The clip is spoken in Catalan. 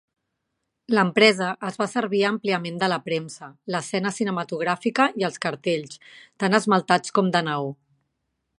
L'empresa es va servir àmpliament de la premsa, l'escena cinematogràfica i els cartells, tant esmaltats com de neó.